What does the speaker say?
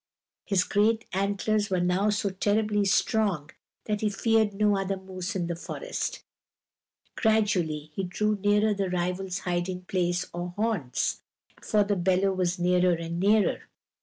His great antlers were now so terribly strong that he feared no other moose in the forest. Gradually he drew nearer the rival's hiding place, or haunts; for the bellow was nearer and nearer.